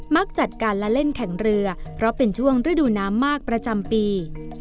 จัดการและเล่นแข่งเรือเพราะเป็นช่วงฤดูน้ำมากประจำปี